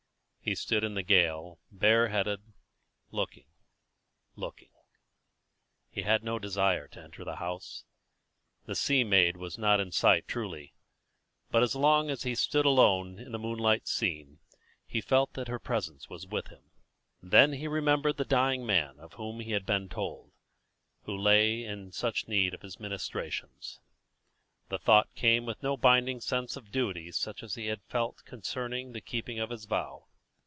He stood in the gale, bare headed, looking, looking; he had no desire to enter the house. The sea maid was not in sight, truly; but as long as he stood alone in the moonlight scene, he felt that her presence was with him. Then he remembered the dying man of whom he had been told, who lay in such need of his ministrations. The thought came with no binding sense of duty such as he had felt concerning the keeping of his vow.